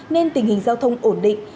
nên tình hình giao thông ổn định